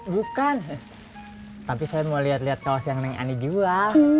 bukan tapi saya mau liat liat kawas yang neng ani jual